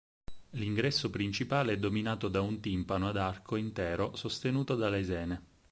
L'ingresso principale è dominato da un timpano ad arco intero sostenuto da lesene.